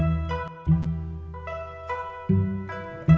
gak ada apa apa